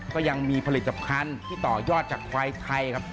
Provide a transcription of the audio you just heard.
ก็ยังมีผลิตภัณฑ์ที่ต่อยอดจากควายไทยครับ